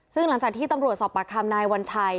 ซึ่งหลังจากที่ตำรวจสอบปากคำนายวัญชัย